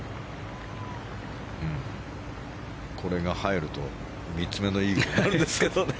これが入ると、３つ目のイーグルなんですけどね。